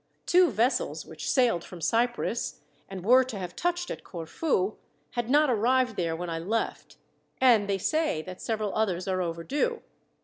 Two vessels which sailed from Cyprus, and were to have touched at Corfu, had not arrived there when I left, and they say that several others are overdue.